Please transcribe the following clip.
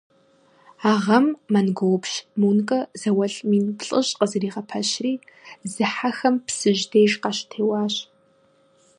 А гъэм монголыпщ Мункэ зауэлӏ мин плӏыщӏ къызэригъэпэщри, зыхьэхэм Псыжь деж къащытеуащ.